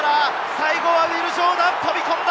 最後はウィル・ジョーダン、飛び込んだ！